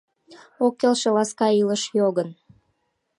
Ок келше ласка илыш йогын